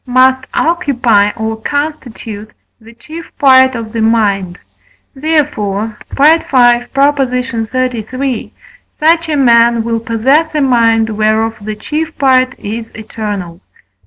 must occupy or constitute the chief part of the mind; therefore (V. xxxiii.), such a man will possess a mind whereof the chief part is eternal.